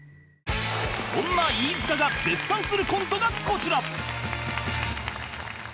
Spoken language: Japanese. そんな飯塚が絶賛するコントがこちら